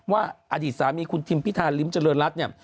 ว่าอดีตสามีคุณทิมพิธาริมเจริญรัฐเนี่ย